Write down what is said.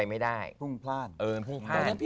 ๒๑ประมาณนี้